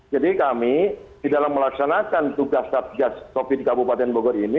jadi kami di dalam melaksanakan tugas tugas covid di kabupaten bogor ini